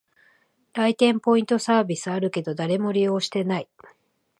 来店ポイントサービスあるけど、誰も利用してない